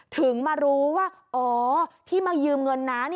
ถึงมารู้ว่าอ๋อที่มายืมเงินนะ